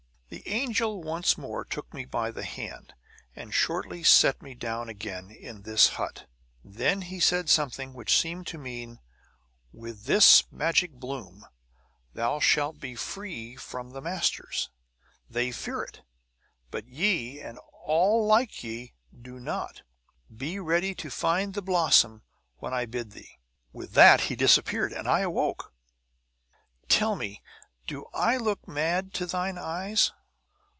The angel once more took me by the hand, and shortly set me down again in this hut. Then he said something which seemed to mean, 'With this magic bloom thou shalt be freed from the masters. They fear it; but ye, and all like ye, do not. Be ye ready to find the blossom when I bid thee.' With that he disappeared, and I awoke. "Tell me; do I look mad, to thine eyes?"